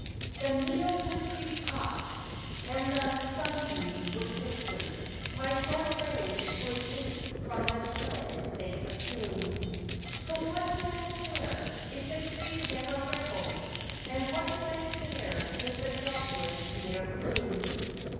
The meal would creep up, and the sun¬ beams would blister; my short legs would ache from the spread they assumed. So what did I care if the creek never rippled, and what did I care if the dogwood ne er bloomed?